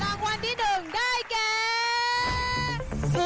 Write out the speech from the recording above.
รางวัลที่หนึ่งได้แก